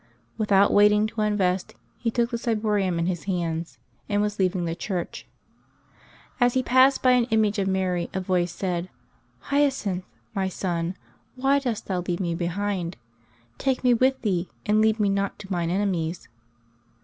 With out waiting to unvest, he took the ciborium in his hands, and was leaving the church. As he passed by an image of Mary a voice said :" Hyacinth, my son, why dost thou leave me behind ? Take me with thee, and leave me not to mine enemies."